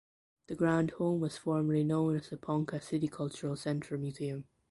The Grand Home was formerly known as the Ponca City Cultural Center Museum.